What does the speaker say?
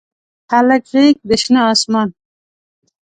د هلک غیږ د شنه اسمان